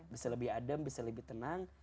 bisa lebih adem bisa lebih tenang